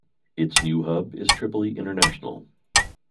Its new hub is Tripoli International.